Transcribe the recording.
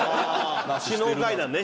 首脳会談ね。